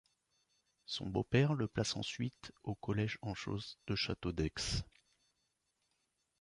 Son beau-père le place ensuite au collège Henchoz de Château-d'Œx.